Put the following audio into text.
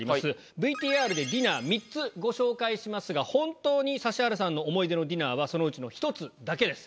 ＶＴＲでディナー３つご紹介しますが本当に指原さんの思い出のディナーはそのうちの１つだけです